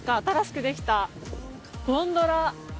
新しくできたゴンドラ。